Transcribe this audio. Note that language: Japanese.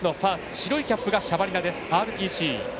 白いキャップがシャバリナＲＰＣ。